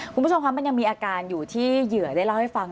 คุณผู้ชมคะมันยังมีอาการอยู่ที่เหยื่อได้เล่าให้ฟัง